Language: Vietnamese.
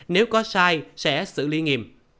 nếu có sai sẽ xử lý nghiệm